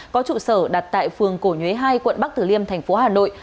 có trụ sở đặt tại phường cổ nhuế hai quận bắc tử liêm tp hà nội